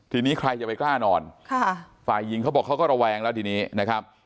ทีนี้ใครจะไปกล้านอนค่ะฝ่ายหญิงเขาบอกเขาก็ระแวงแล้วทีนี้นะครับ